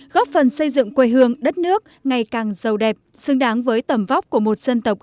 góp phần xây dựng quê hương đất nước ngày càng giàu đẹp xứng đáng với tầm vóc của một dân tộc